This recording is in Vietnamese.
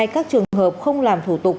các trường hợp không làm thủ tục